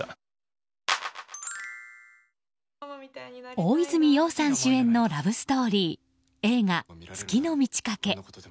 大泉洋さん主演のラブストーリー映画「月の満ち欠け」。